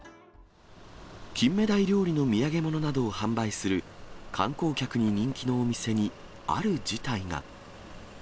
キンメダイ料理の土産物などを販売する、観光客に人気のお店にある事態が。